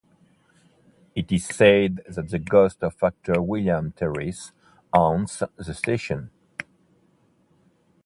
It is said that the ghost of actor William Terriss haunts the station.